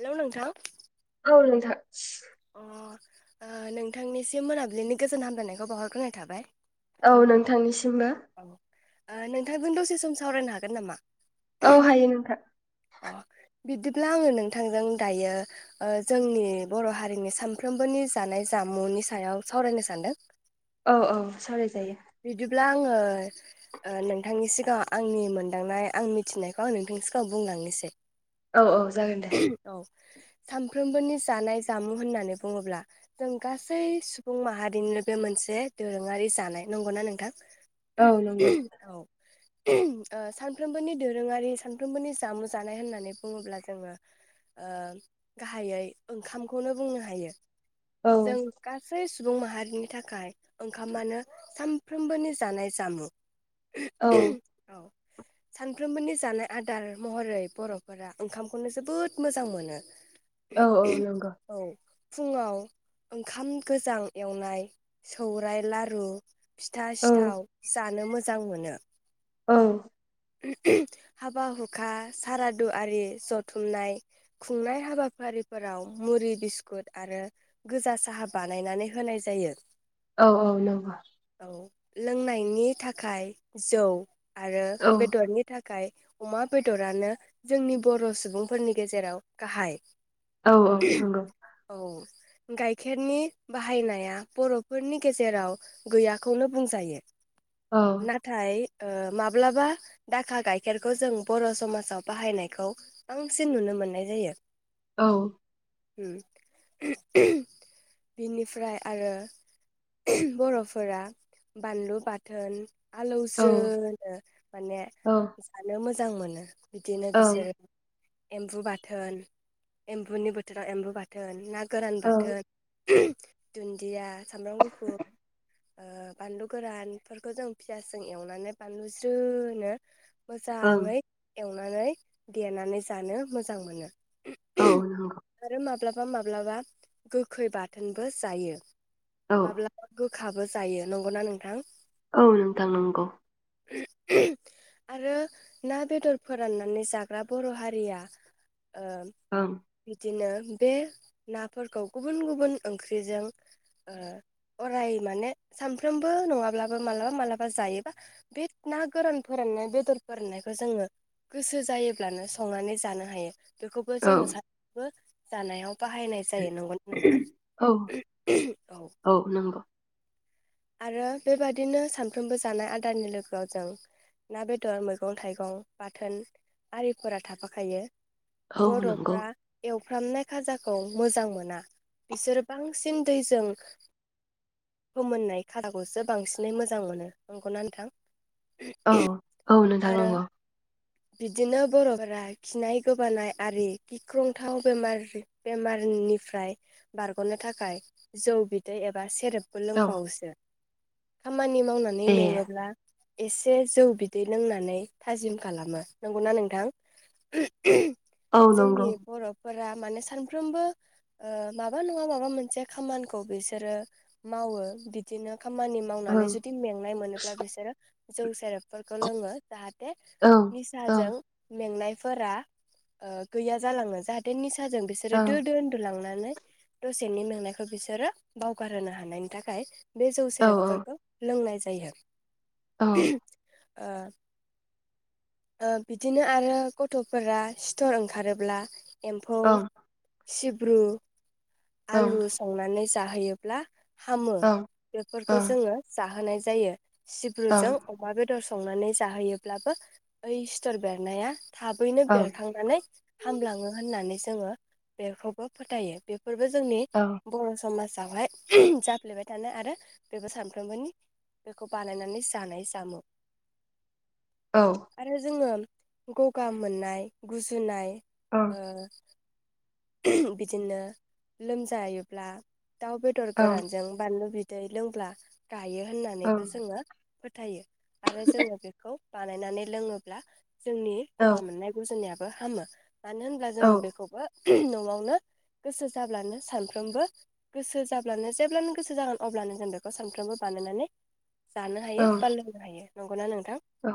Hello नोंथां। औ नोंथां। अ। ओ नोंथांनिसिम मोनाबिलिनि गोजोन हामलायनायखौ बावहरग्रोनाय थाबाय। औ नोंथांनिसिम [unintelligible] नोंथांजों‌ दसे सम सावरायनो हागोन नामा? औ हायो नोंथां। बिदिब्ला आङो नोंथांजों दायो ओ जोंनि बर' हारिनि सामफ्रोमबोनि जानाय जामुनि सायाव सावरायनो सानदों। औ औ सावरायजायो। बिदिब्ला आङो ओ नोंथांनि सिगाङाव आंनि मोनदांनाय आं मिथिनायखौ आं नोंथांनि सिगाङाव बुंलांनोसै औ औ जागोन दे। सामफ्रोमबोनि जानाय जामुं होननानै बुङोब्ला जों गासै सुबुं माहारिनिनो बे मो‌नसे दोरोङारि जानाय नंगौना नोंथां‌ औ नंगौ ओ सानफ्रोमबोनि दोरोङारि सानफ्रोमबोनि जामु जानाय होननानै बुङोब्ला जोङो ओ गाहायै ओंखामखौनो बुंनो हायो औ जों गासै सु बुं माहारिनि थाखाय ओंखामानो सामफ्रामबोनि जानाय जामु औ औ सानफ्रोमबोनि जानाय आदार महरै बरफोरा ओंखामखौनो जोबोद मोजां मोनो औ औ नंगौ औ फुङाव ओंखाम गोजां एवनाय सौराय लारु फिथा औ सिथाव जानो मोजां मोनो औ हाबा हुखा सारादु आरि जथुमनाय खुंनाय हाबाफारिफोराव मुरि बिस्कुट आरो गोजा साहा बानायनानै होनाय जायो औ औ नंगौ औ लोंनायनि थाखाय जौ आरो औ बेदरनि था खाय अमा बेदरानो जोंनि बर सुबुंफोरनि गेजेराव गाहाय औ औ नंगौ औ गाइखेरनि बाहायनाया बरफोरनि गेजेराव गैयाखौनो बुंजायो औ नाथाय ओ माब्लाबा दाखा गाइखेरखौ जों बर समाजाव बाहायनायखौ बांसिन नुनो मोननाय जायो औ उम बिनिफ्राय आरो बरफोरा बानलु बाथोन औ आलौज्रोनो औ [unintelligible] मोजां मोनो बिदिनो बिसोरो एम्बु बाथोन एम्बुनि बोथोराव एम्बु बाथोन ना गोरान ओं बाथोन दुन्दिया सामब्राम गुफुर ओ बानलु गोरानफोरखौ जों फियासजों एवनानै बानलु सि ज्रोनो मोजाङै औ एवनानै देनानै जानो मोजां मोनो औ नंगौ। आरो माब्लाबा माब्लाबा गोखै बाथोनबो जायो। औ माब्ला गो खाबो जायो नंगौना नोंथां। औ नोंथां नंगौ। आरो ना बेदर फोराननानै जाग्रा बर' हारिया ओ ओं बिदिनो बे नाफोरखौ गुबुन गुबुन ओंख्रिजों ओ अराय माने सानफ्रोमबो नङाब्लाबो मालाबा मालाबा जायोबा बे ना गोरान फोराननाय बेदर फोराननायखौ जोङो गोसो जायोब्लानो संनानै जानो हायो। बेखौबो औ जोंङो [unintelligible] जानायाव बाहायनाय जायो नंगौ नोंथां औ औ। आरो बेबादिनो सानफ्रोमबो जानाय आदारनि लोगोआव जों ना बेदर मैगं थाइगं बाथोन आरिफोरा थाफाखायो। औ नंगौ बर'फ्रा एव एवफ्रामनाय खाजाखौ मोजां मोना बिसोरो बांसिन दैजों फोमोननाय खाजाखौसो बांसिनै मोजां मोनो नंगौना नोंथा। औ औ नोंथां नोंगौ। बिदिनो बर'फोरा खिनाय गोबानाय आरि गिख्रंथाव बेमार बेमारनिफ्राय बारगनो थाखाय जौ बिदै एबा सेरेब औ लोंबावोसो। खामानि मावनानै ए मेङोब्ला एसे जौ बिदै लोंनानै थाजिम खालामो नंगौना नोंथां। औ नंगौ जोंनि बर' फोरा माने सानफ्रोमबो ओ माबा नङा माबा मोनसे खामानिखौ बिसोरो मावो। बिदिनो‌ खामानि मावनानै जुदि ओं मेंनाय मोनोब्ला बिसोरो जौ सेरेबफोरखौ लोंङो जाहा थे औ निसाजों नोंथां मेंनाय फोरा ओ गैया जालाङो जाहाथे नि साजों बिसोरो दो नंगौ दो उदुलांना नै दसेनि मेंनायखौ बिसोरो बावगार होनो हानायनि थाखाय बे जौ सेरेबफोरखौ लोंनाय जायो। औ। ओ ओ बिदिनो आरो गथ'फोरा सिथर ओंखारोब्ला एम्फौ औ सिब्रु नोंथां आलु संनानै जाहैयोब्ला हामो नंगौ बेफोरखौ जोङो जाहोनाय जायो औ सिब्रुजों अमा बेदर संनानै जाहोयोब्लाबो ओइ सिथर बेरनाया थाबैनो औ बेरखांनानै हामलाङो होननानै जोङो बेखौबो फोथायो बे बे फोरबो जोंनि औ बर' समाज जावहाय जाफ्लेबाय थानाय आरो बेबो सानफ्रामबोनि बेखौ बानायनानै जानाय जामु औ आरो जोङो गगा मोननाय गुजुनाय ओ बिदिनो लोमजायोब्ला दाउ बेदर औ गोरानजों बानलु बि दै लोंब्ला गायो होननानैबो जोङो फोथायो आरो जोङो बेखौ बानायनानै लोङोब्ला जोंनि औ गगा मोननाय गुजुनाया हामो मानो होनब्ला जोङो औ बेखौबो न'आवनो गोसो जाब्लानो सानफ्रोमबो गोसो जाब्लानो जेब्लानो गोसो जागोन अब्लानो जों बेखौ सानफ्रोमबो बानायनानै जानो हायो बा लोंनो हायो। नंगौना नों औ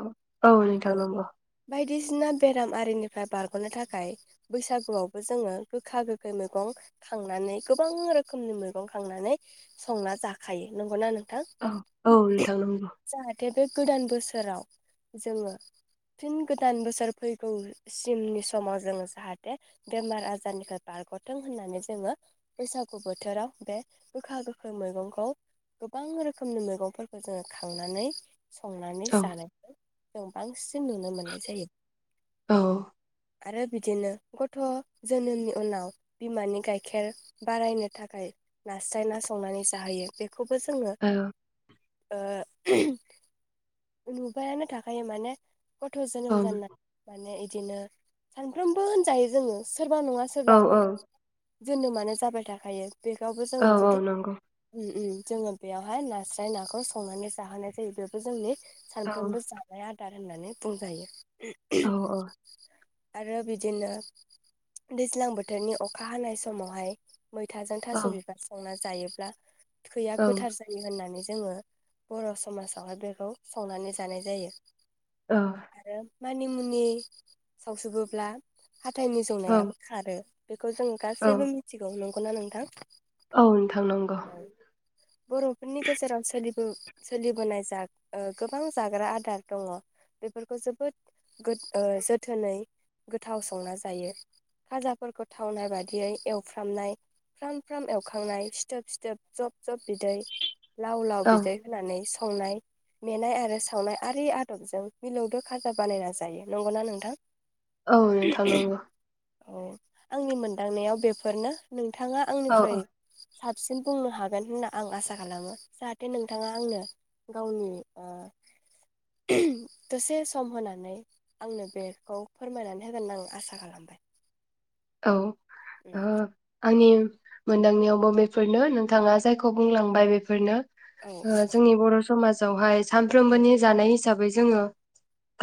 औ नोंथा [unintelligible] बायदिसिना बेराम आरिनिफ्राय बारगनो थाखाय बैसागुआवबो जोङो गोखा गोखै मैगं खांनानै गोबां रोखोमनि मैगं खांनानै संना जाखायो नंगौना नों औ औ नोंथां नंगौ। दे बे गोदान बोसोराव जोङो फिन गोदान बोसोर फैगौसिमनि समाव जोङो जाहाथे बेमार आजारनिफ्राय बारगथों होननानै जोङो बैसागु बोथोराव बे गोखा गोखाै मैगंखौ गोबां रोखोमनि मैगंफोरखौ जोङो खांनानै संनानै जानायखौ औम आंस नुनो मोननाय जायो। आरो बिदिनो गथ' जोनोमनि उनाव बिमानि गाइखेर बारायनो थाखाय नास्राय ना संनानै जाहैयो बेफ खौबो जोङो ओह नुबायानो थाखायो माने गथ' जोनोम जानना माने इद बिदिनो सानफ्रोमबो होनजायो जोङो सिख सोरबा नङा सोरबा गथ ' जोनोम मानो जाबाय थाखायो। बे गावबो जोङो जुदि नंगौ उम उम। जोङो बेयावहाय नास्राय नाखौ संनानै जाहोनाय जायो बेबो जोंनि सानफ्रोमबो जा दार होननानै बुंजायो औ औ। आरो बिदिनो दैज्लां बोथोरनि अखा हानाय समावहाय मैथाजों औ थास बिबार संना जायोब्ला थैया औ गोथार जायो होननानै जोङो बर' समाजावहाय बेखौ संनानै जानाय जायो। ओ मानि मुनि सावसुबोब्ला हाथाइ औ मिजौनायाबो खारो बेखौ जों औ गासैबो मिथिगौ नं गौना नोंथां [unintelligible] औ नोंथां नंगौ औ बर'फोरनि गेजेराव सोलि [unintelligible] सोलिबोनाय जा गोबां जाग्रा आदार दङ बेफोरखौ जोबोद गो ओ जोथोनै गोथाव संना जायो खाजाफोरखौ थावनाय बादियै एवफ्रामनाय फ्राम फ्राम एवखांनाय सिथोब सिथोब जब जब। बिदै लाव लाव औ बिदै होनानै संनाय मेनाय आरो सावनाय आरि आदबजों मिलौदो खाजा बानायना जायो नंगौना नोंथां औ नोंथां नंगौ औ आंनि मोनदांनायाव बेफोरनो नों थाङा औ आंनिफ्राय। साबसिन बुंनो हागोन होनना आं आसा खालामो जाहाथे नोंथाङा आंनो गावनि ओ [unintelligible] दसे सम होनानै आंनो बेखौ फोरमायनानै होगोन आं आसा खालामबाय। औ। उम ओ आंनि मोनदांनायावबो बेफोरनो नोंथाङा जायखौ बुंलांबाय बेफोरनो। औ ओ जोंनि बर' समाजावहाय। सानफ्रोमबोनि औ जानाय हिसाबै। जोङो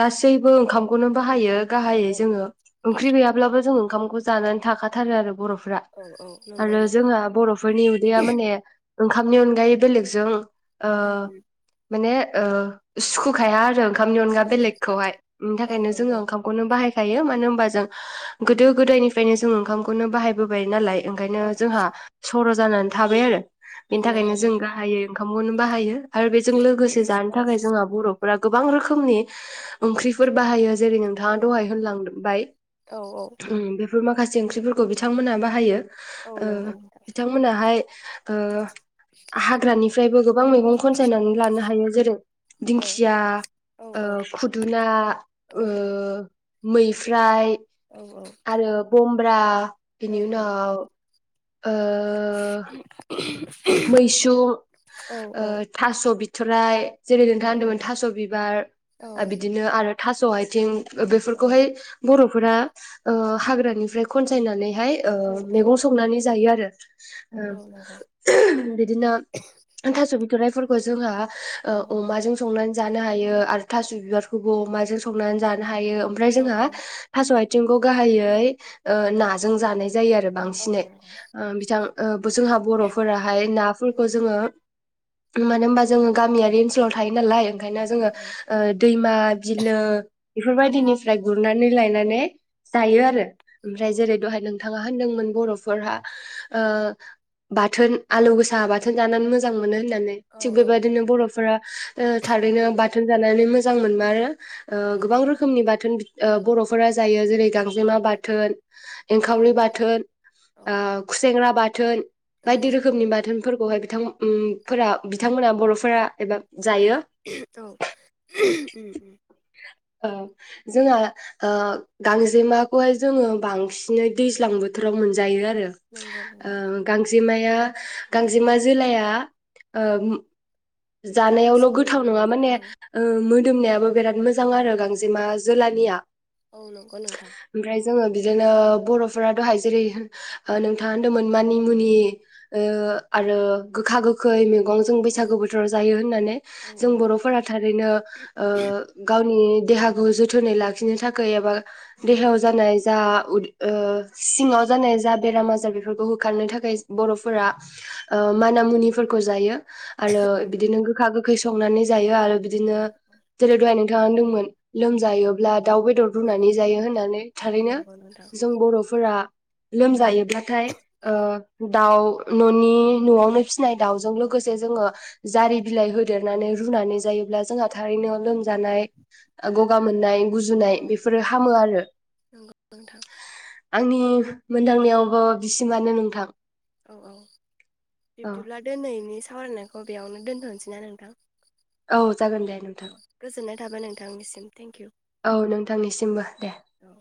गासैबो ओंखामखौनो बाहायो। गाहायै औ जोङो ओंख्रि गैयाब्लाबो जों खामखौ। जानानै थाखाथारो आरो बर' फ्रा औ औ औ नंगौ आरो नंगौ जोंहा बर'फोरनि उदैया माने ओंखामनि अनगायै बेलेगजों ओ उम उम माने ओ सुखुखाया आरो। खामनि औ अनगा बेलेगखौहाय बिनि औ थाखायनो जोङो नंगौ ओंखामखौनो बाहायखायो मानो होनबा। जों गोदो गोदायनि फ्रायनो जों ओंखामखौनो बाहायबोबाय नालाय। ओंखायनो औ जोंहा सर' जानानै थाबाय आरो। औ बेनि थाखायनो नंगौ जों नोंथां गाहायै ओं खामखौनो बाहायो। आरो बेजों लोगोसे जानो औ थाखाय जोंहा बर'फोरा। गोबां रोखोमनि। ओंख्रिफोर बाहायो जेरै नोंथाङा औ दहाय होनलांबाय। औ बे माखासे ओंख्रिफोरखौ बिथांमोनहा बाहायो। औ ओ नंगौ नोंथां बिथांमोनाहाय। ओ हाग्रानिफ्रायबो गो बां मैगं खनसायनानै लानो हायो जेरै औ दिंखिया औ ओ औ खुदुना औ ओ औ मैफ्राय। औ औ। खुम्रा औ बिनि उनाव ओ मैसुम औ ओ थास' बिथ'राइ जेरै नोंथाङा नंगौ होनदोंमोन नंगौ थास' औ बिबार बिदिनो आरो थास' आयथिं औ बेफोरखौहाय बरफ फोरा हाग्रानिफ्राय खनसायनानै ओमफ्राय ओ औ मेगं संनानै जायो आरो। नंगौ औ [unintelligible] औ नंगौ औ नंगौ ओ बिदिनो थास' बि बिथ'राइफोरखौ जोंहा औ उम अमाजों संनानै जानो हायो आरो थास' बिबारखौबो अमाजों संनानै जानो हायो ओमफ्राय औ जोंहा थास' आयथि थिंखौ गाहायै ओ नाजों जानाय जा जायो आरो बांसिनै ओ बिथां जोंहा बर' फोराहाय नाफोरखौ जोङो मानो होनबा जोङो गामियारि ओनसोलाव थायो नालाय ओंखायनो औ जोङो ओ दैमा बिलो औ बेफोरबायदिनिफ्राय गुरना नै लायनानै जायो आरो औ ओमफ्राय जेरै दहाय नों थाङा होनदोंमोन बर'फोरा ओ बा बाथोन आलु गोसा बाथोन जानानै मोजां मोनो मोनो होननानै थिग बेबायदिनो बर'फोरा ओ थारैनो बा थोन जानानै मोजां मोनमारो। ओ गोबां रोखोमनि बाथोन ओ बर'फोरा जायो जेरै गांजेमा बाथोन एंखावरि बाथोन ओ खुसेेंग्रा बाथ थोन उम बायदि रोखोमनि बाथोन फोरखौहाय बिथां उम फोर बिथांमोना बर'फोरा एबा जायो औ उम। ओ जोंहा ओ गांजेमाखौहाय जोङो बांसिनै दैज्लां बोथोराव मोनजायो आ नंगौ नंगौ ओ गांजे माया गांजेमा जोलाया ओ उम। जानायावल' गोथावसिन गोथाव मोदोमो नङा माने औ दोमनायाबो बिराद मोजां मोजां आरो औ गांजेमा जोलानिया औ नंगौ नोंथां ओमफ्राय जोङो बिदिनो बर'फोरा दहाय जेरै नोंथाङा होनदोंमोन माइ औ मुनि औ ओ आरो गोखा गोख गोखै मैगं औ जों बैसागु बोथोराव जायो होननानै औ जों बर'फोरा थारैनो ओ गावनि देहाखौ जोथोनै लाखिनो थाखाय एबा देहायाव जानाय जा उदि ओ सिङाव जानाय जा बेराम आजार बेफोरखौ होखारनो थाख थाखाय बर'फोरा ओ माना मुनिफोरखौ जायो। आरो बिदिनो गोखा गोखा। ओंखै संनानै जायो आरो। बिदिनो औ जेरे दहाय होनदोमोन लोमजायोब्ला दाउ बेदर औ रुनानै जायो होननानै औ थारैनो नंगौ नोंथां जों बर'फोरा लोमजायोब्लाथाय ओ दाउ, न'नि औ न'आवनो फि फिसिनाय दाउजों लोगोसे जोङो जारि बिलाइ होदेर नानै रुनानै औ जायोब्ला जोंहा थारैनो लोमजानाय ओ गगा मोननाय गुजुनाय औ बेफोरो हामो आरो। नंगौ नोंथां। आंनि मोनदांनायावबो ओ बिसिमानो नोंथां। औ औ औ बिब्दिब्ला दोनैनि सावरायनायखौ बेयावनो दोनथ'नोसैना नोंथां? औ जागोन दे नोंथां औ गोजोननाय थाबाय नोंथांनिसिम थेंक इउ औ नोंथांनिसिमबो दे। औ